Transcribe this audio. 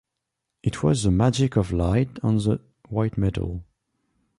It was the magic of light on the white metal.